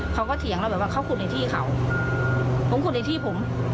เถียงเราแบบว่าเขาขุดในที่เขาผมขุดในที่ผม